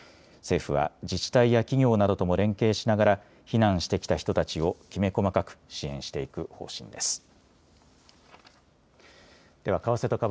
政府は自治体や企業などとも連携しながら避難してきた人たちをきめ細かく支援していく方針です。